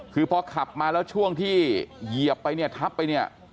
คือพอขับมาแล้วช่วงที่เหยียบไปเนี่ยทับไปเนี่ย